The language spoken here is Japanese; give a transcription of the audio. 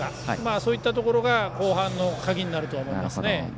そういったところが後半の鍵になると思います。